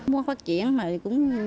muốn phát triển mà cũng